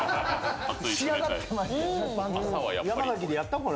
仕上がってましたよ。